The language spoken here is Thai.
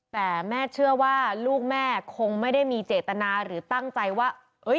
แต่แม่เชื่อว่าลูกแม่คงไม่ได้มีเจตนาหรือตั้งใจว่า